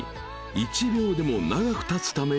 「１秒でも長く立つ為に」